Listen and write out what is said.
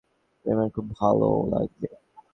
প্রেমের খুব ভালো লাগবে।